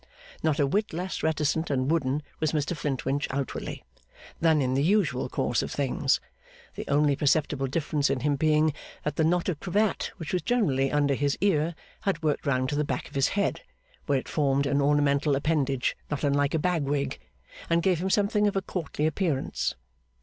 Not a whit less reticent and wooden was Mr Flintwinch outwardly, than in the usual course of things: the only perceptible difference in him being that the knot of cravat which was generally under his ear, had worked round to the back of his head: where it formed an ornamental appendage not unlike a bagwig, and gave him something of a courtly appearance.